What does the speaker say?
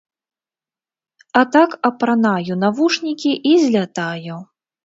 А так апранаю навушнікі і злятаю.